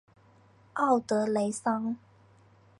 奥德雷桑。